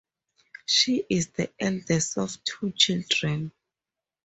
She is the eldest of two children.